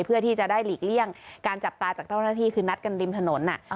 เพื่อที่จะได้หลีกเลี่ยงการจับตาจากเจ้าหน้าที่คือนัดกันริมถนน